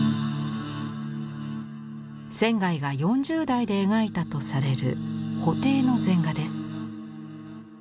仙が４０代で描いたとされる布袋の禅画です。